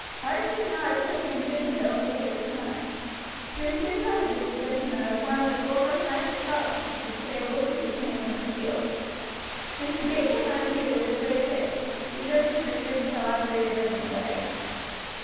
Marjory did not attempt to induce him to overstay his time. She was too proud of his position as one of the foremost knights of Scotland to say a word to detain him from the field. So she bade him adieu with a brave face, reserving her tears until after he had ridden away.